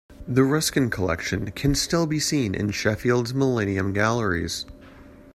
The Ruskin collection can still be seen in Sheffield's Millennium Galleries.